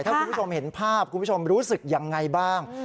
ถ้าคุณผู้ชมเห็นภาพคุณผู้ชมรู้สึกยังไงบ้าง